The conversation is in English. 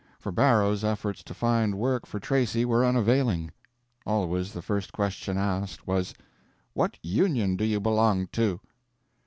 For Barrow's efforts to find work for Tracy were unavailing. Always the first question asked was, "What Union do you belong to?"